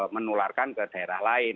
menularkan ke daerah lain